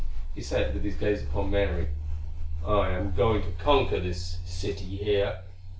He said, with his gaze upon Mary, "I am going to conquer this city here.